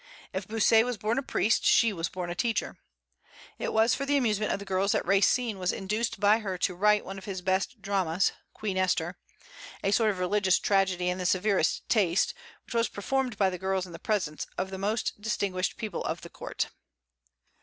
If Bossuet was a born priest, she was a born teacher. It was for the amusement of the girls that Racine was induced by her to write one of his best dramas, "Queen Esther," a sort of religious tragedy in the severest taste, which was performed by the girls in the presence of the most distinguished people of the court.